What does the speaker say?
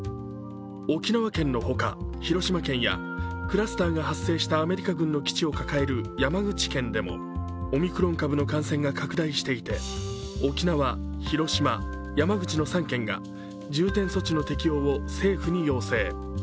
沖縄県の他、広島県やクラスターが発生したアメリカ軍の基地を抱える山口県でもオミクロン株の感染が拡大していて、沖縄、広島、山口の３県が重点措置の適用を政府に要請。